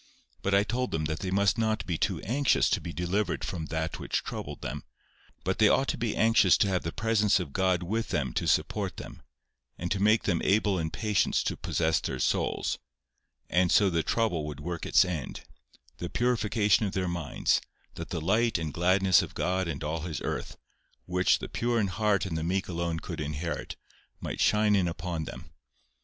But I told them they must not be too anxious to be delivered from that which troubled them: but they ought to be anxious to have the presence of God with them to support them, and make them able in patience to possess their souls; and so the trouble would work its end—the purification of their minds, that the light and gladness of God and all His earth, which the pure in heart and the meek alone could inherit, might shine in upon them.